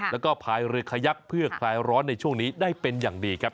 แล้วก็พายเรือขยักเพื่อคลายร้อนในช่วงนี้ได้เป็นอย่างดีครับ